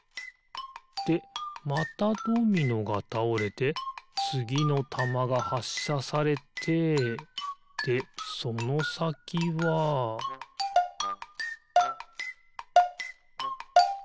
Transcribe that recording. でまたドミノがたおれてつぎのたまがはっしゃされてでそのさきはピッ！